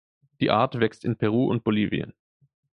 Die Art wächst in Peru und Bolivien.